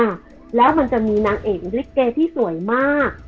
แล้วมันจะมีนางเอกลิเกที่สวยมาก